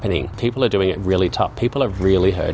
orang orang sangat menakutkan